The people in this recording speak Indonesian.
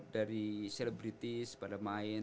dari celebrities pada main